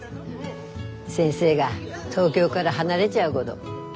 先生が東京がら離れちゃうごど。